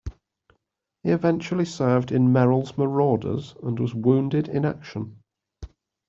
He eventually served in Merrill's Marauders and was wounded in action.